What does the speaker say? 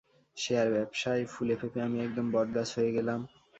Share ব্যবসায় ফুলে ফেঁপে আমি একদম বটগাছ হয়ে গেলাম।